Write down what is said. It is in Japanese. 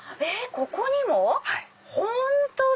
ここにも⁉本当だ！